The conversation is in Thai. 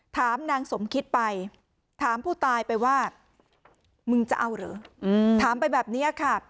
ถามนางสมคิดไปถามผู้ตายไปว่ามึงจะเอาเหรอถามไปแบบนี้ค่ะ